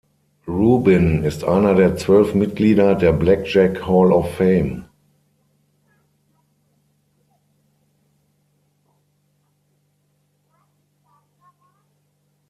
Rubin ist einer der zwölf Mitglieder der Blackjack Hall of Fame.